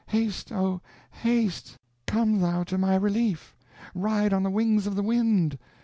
haste, oh! haste, come thou to my relief. Ride on the wings of the wind!